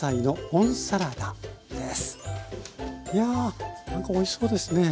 いやなんかおいしそうですね。